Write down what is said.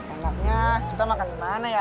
enaknya kita makan dimana ya